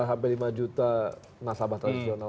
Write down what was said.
hampir lima juta nasabah tradisional